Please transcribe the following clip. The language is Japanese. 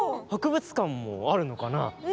博物館もあるのかな。